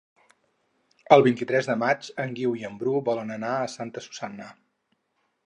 El vint-i-tres de maig en Guiu i en Bru volen anar a Santa Susanna.